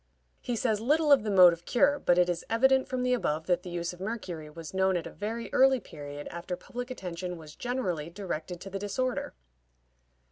He says little of the mode of cure, but it is evident from the above that the use of mercury was known at a very early period after public attention was generally directed to the disorder.